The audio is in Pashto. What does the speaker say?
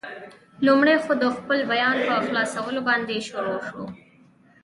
لومړی خو، د خپل بیان په خلاصولو باندې شروع شو.